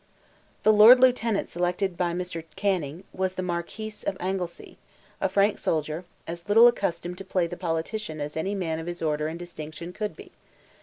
The Lord Lieutenant selected by Mr. Canning, was the Marquis of Anglesea, a frank soldier, as little accustomed to play the politician as any man of his order and distinction could be.